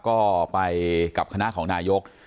ก็ไปกับคณะของนายก